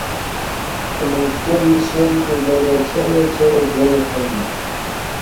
خلُونگ سکوری شین پو لینے کھیرے کھیرے گینُو تھونما نہ